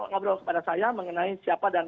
ngobrol kepada saya mengenai siapa dan